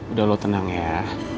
udah lo tenang ya